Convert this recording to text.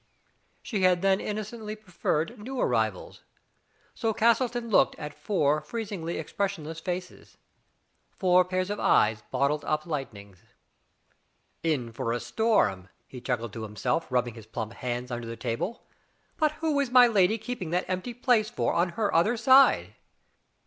She had then innocently preferred new arrivals. So Castleton looked at four freez ingly expressionless faces, four pairs of eyes bottling up lightnings. In for a storm !" he chuckled to himself, rub bing his plump hands under the table. But who is my lady keeping that empty place for on her other side?"